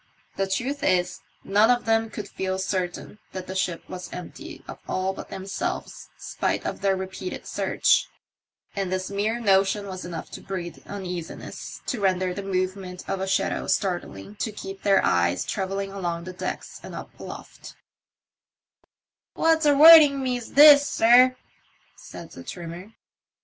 The truth is, none of them could feel certain that the ship THE MYSTEUY OF THE ''OCEAN START 17 was empty of all but themselves, spite of their repeated search; and this mere notion was enough to breed uneasiness, to render the movement of a shadow startling, to keep their eyes travelling along the decks and up aloft What's a worritting me's this, sir," said the trimmer.